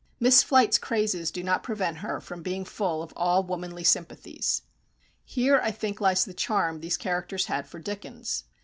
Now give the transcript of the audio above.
Miss Flite's crazes do not prevent her from being full of all womanly sympathies. Here I think lies the charm these characters had for Dickens.